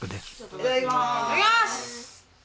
いただきます！